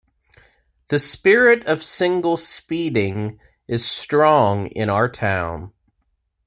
The spirit of single speeding is strong in our town.